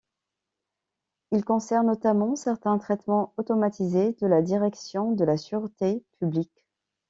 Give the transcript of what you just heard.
Il concerne notamment certains traitements automatisés de la Direction de la Sûreté Publique.